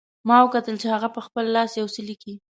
ما وکتل چې هغه په خپل لاس یو څه لیکي